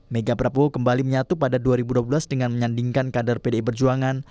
mega prabowo kembali menyatu pada dua ribu dua belas dengan menyandingkan kader pdi perjuangan